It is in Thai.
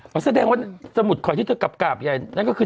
ก็มันจะมุดคอยที่เธอกลับยังไง